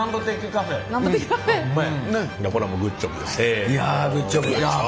これはもうグッジョブですせの。